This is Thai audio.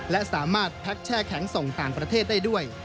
และสามารถแพ็คแช่แข็งส่งต่างประเทศได้ด้วย